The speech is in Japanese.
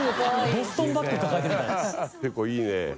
ボストンバッグ抱えてるみたい。